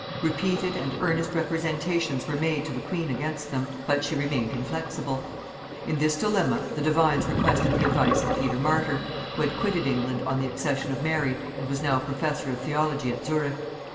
Repeated and earnest representations were made to the queen against them, but she remained inflexible. In this dilemma, the divines requested the advice of Peter Martyr, who had quitted England on the accession of Mary and was now professor of theology at Zurich.